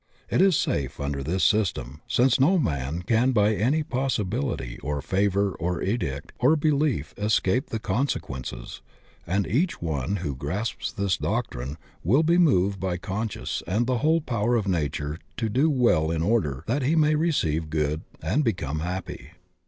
It is safe under this system, since no man can by any possibility, or favor, or edict, or belief escape the consequences, and each one who grasps this doctrine will be moved by con science and the whole power of nature to do well in order that he may receive good and become happy.